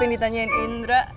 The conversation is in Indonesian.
yang ditanyain indra